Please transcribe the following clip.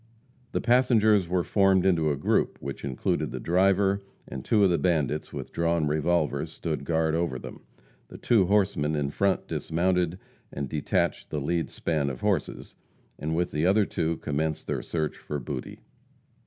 The passengers were formed into a group, which included the driver, and two of the bandits, with drawn revolvers, stood guard over them. The two horsemen in front dismounted and detached the lead span of horses, and with the other two commenced their search for booty.